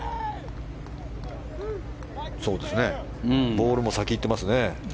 ボールも先いってますね。